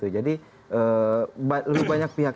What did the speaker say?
jadi lebih banyak pihak yang mendekat